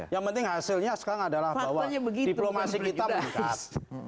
yang penting hasilnya sekarang adalah bahwa diplomasi kita meningkat